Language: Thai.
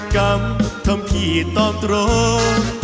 กรรมทำพี่ตอบตรง